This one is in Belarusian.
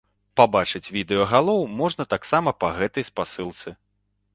Пабачыць відэа галоў можна таксама па гэтай спасылцы.